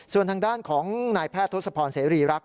ส่วนทางด้านของนายแพทย์ทศพรเสรีรักษ